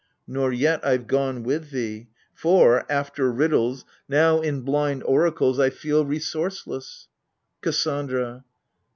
Nor yet I've gone with thee ! for — after riddles — Now, in blind oracles, I feel resourceless. KASSANDRA.